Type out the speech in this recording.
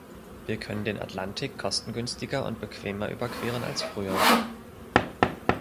Wir können den Atlantik kostengünstiger und bequemer überqueren als früher.